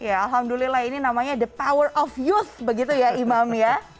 ya alhamdulillah ini namanya the power of youth begitu ya imam ya